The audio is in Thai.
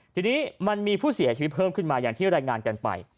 ทีนี้มันมีผู้เสียชีวิตเพิ่มขึ้นมาอย่างที่รายงานกันไป